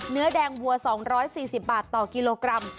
เนื้อแดงวัว๒๔๐บาทต่อกิโลกรัม